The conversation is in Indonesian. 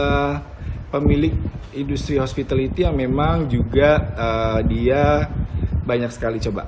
mas ari ini pemilik industri hospitality yang memang juga dia banyak sekali coba